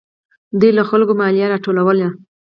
دوی له خلکو مالیه راټولوي.